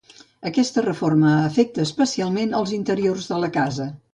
Aquesta reforma afectà especialment els interiors de la casa.